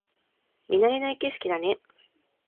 見慣れない景色だね